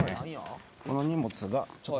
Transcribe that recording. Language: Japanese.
この荷物がちょっと。